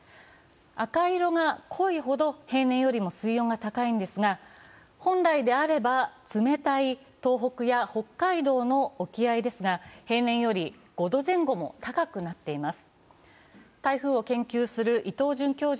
赤い色が濃いほど平年よりも水温が高いのですが本来であれば冷たい東北や北海道の沖合ですが平年より５度前後も高くなっています。